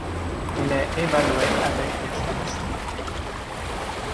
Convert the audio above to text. Il est évalué avec des statistiques.